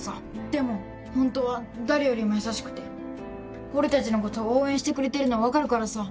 でもホントは誰よりも優しくて俺たちのこと応援してくれてるの分かるからさ。